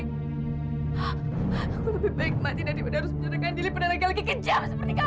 aku lebih baik mati daripada harus menyerahkan diri pada lagi lagi kejam seperti kamu